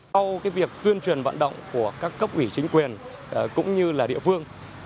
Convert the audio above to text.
sau việc tuyên truyền vận động của các cấp ủy chính quyền cũng như là địa phương